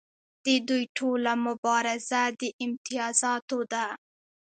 د دوی ټوله مبارزه د امتیازاتو ده.